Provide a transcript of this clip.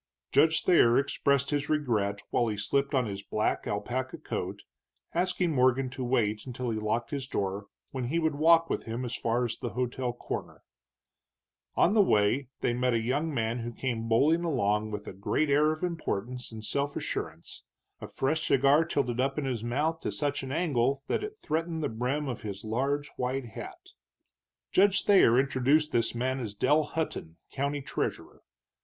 Judge Thayer expressed his regret while he slipped on his black alpaca coat, asking Morgan to wait until he locked his door, when he would walk with him as far as the hotel corner. On the way they met a young man who came bowling along with a great air of importance and self assurance, a fresh cigar tilted up in his mouth to such an angle that it threatened the brim of his large white hat. Judge Thayer introduced this man as Dell Hutton, county treasurer.